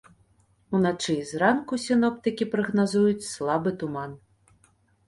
Уначы і зранку сіноптыкі прагназуюць слабы туман.